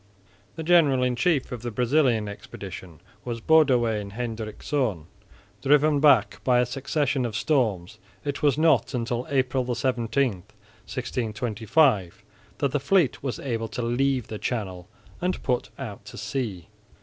The general in chief of the Brazilian expedition was Boudewyn Hendrikszoon. Driven back by a succession of storms, it was not until April 17, 1625, that the fleet was able to leave the Channel and put out to sea.